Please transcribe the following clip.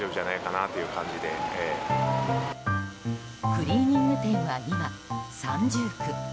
クリーニング店は今、三重苦。